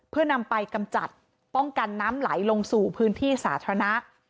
เพื่อนำไปกำจัดป้องกันน้ำไหลลงสู่พื้นที่สาธารณะ